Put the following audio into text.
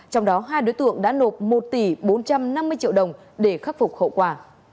trong đó hai đối tượng đã nộp một tỷ bốn trăm năm mươi triệu đồng để khắc phục hậu quả